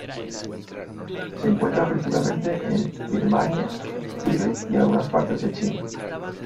Se encuentra principalmente en Birmania, Tíbet y en algunas partes de China.